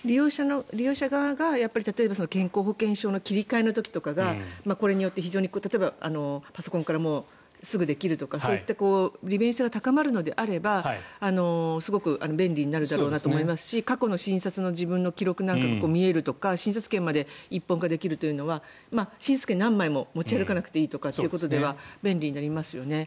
利用者側が、例えば健康保険証の切り替えの時とかがこれによって、例えばパソコンからもすぐできるとかそういった利便性が高まるのであればすごく便利になるだろうなと思いますし過去の診察の自分の記録なんかが見えるとか診察券まで一本化できるというのは診察券何枚も持ち歩かなくていいのは便利になりますよね。